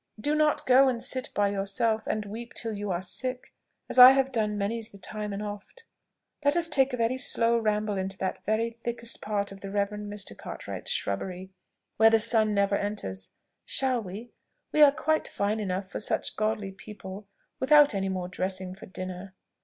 Do not go and sit by yourself and weep till you are sick, as I have done many's the time and oft. Let us take a very slow ramble into that very thickest part of the Reverend Mr. Cartwright's shrubbery, where the sun never enters shall we? We are quite fine enough for such godly people, without any more dressing for dinner.